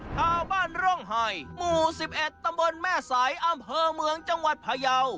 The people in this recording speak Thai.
ชาวบ้านร่องไห่หมู่๑๑ตำบลแม่สายอำเภอเมืองจังหวัดพยาว